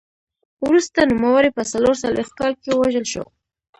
وروسته نوموړی په څلور څلوېښت کال کې ووژل شو